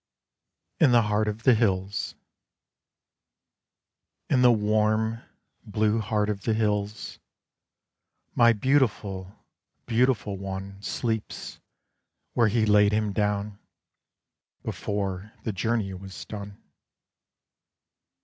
IN THE HEART OF THE HILLS In the warm blue heart of the hills My beautiful, beautiful one Sleeps where he laid him down Before the journey was done.